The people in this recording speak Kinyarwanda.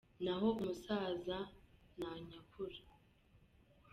Naho umusaza nanyakura